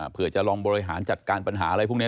เพื่อจะลองบริหารจัดการปัญหาอะไรพวกนี้